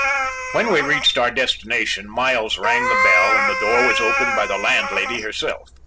When we reached our destination, Miles rang the bell and the door was opened by the landlady herself.